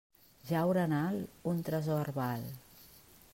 Jaure en alt, un tresor val.